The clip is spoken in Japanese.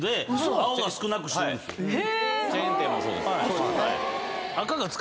チェーン店もそうです。